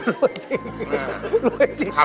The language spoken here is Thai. รวยจริง